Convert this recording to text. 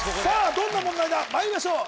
どんな問題だまいりましょう